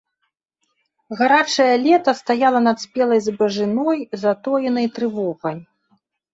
Гарачае лета стаяла над спелай збажыной затоенай трывогай.